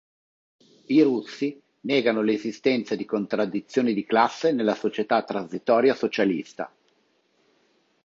I russi negano l'esistenza di contraddizioni di classe nella società transitoria socialista.